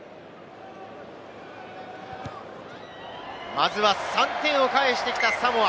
まずは３点を返してきたサモア。